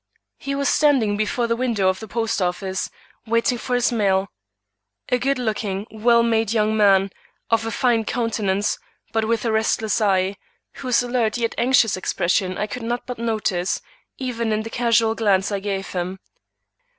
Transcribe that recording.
He was standing before the window of the post office, waiting for his mail; a good looking, well made young man, of a fine countenance, but with a restless eye, whose alert yet anxious expression I could not but note even in the casual glance I gave him.